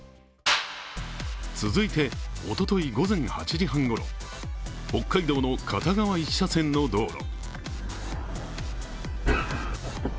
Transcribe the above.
続いて、おととい午前８時半ごろ、北海道の片側１車線の道路。